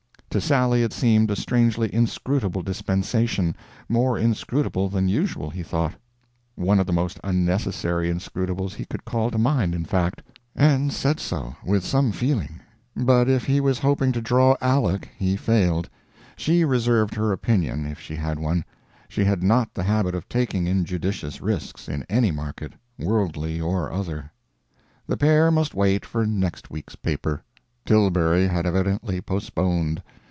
To Sally it seemed a strangely inscrutable dispensation; more inscrutable than usual, he thought; one of the most unnecessary inscrutable he could call to mind, in fact and said so, with some feeling; but if he was hoping to draw Aleck he failed; she reserved her opinion, if she had one; she had not the habit of taking injudicious risks in any market, worldly or other. The pair must wait for next week's paper Tilbury had evidently postponed.